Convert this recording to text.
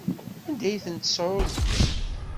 Anda ay ten-tesɛeẓgem?